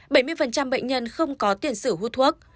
bảy mươi bệnh nhân không có tiền sử hút thuốc